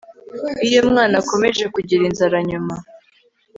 iyo umwana akomeje kugira inzara nyuma